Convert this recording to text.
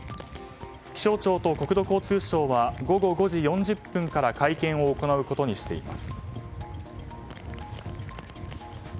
気象庁と国土交通省は午後５時４０分から会見を行うことにしています。